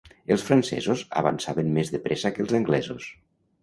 Els francesos avançaven més de pressa que els anglesos.